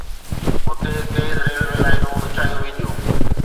هتي تيز ريلوي لائينون وڇايون وينديون.